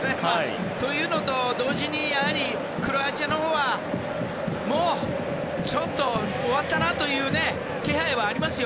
というのと同時にやはり、クロアチアのほうはちょっと終わったなという気配はありますよ。